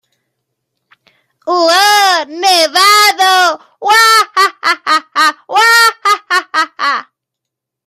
El problema es que queda en minoría en los peones del ala de dama.